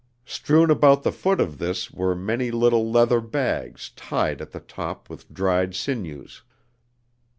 Strewn about the foot of this were many little leather bags tied at the top with dried sinews.